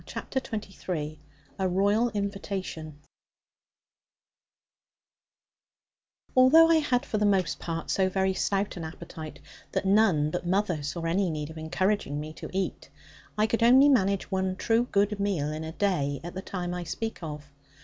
CHAPTER XXIII A ROYAL INVITATION Although I had, for the most part, so very stout an appetite, that none but mother saw any need of encouraging me to eat, I could only manage one true good meal in a day, at the time I speak of.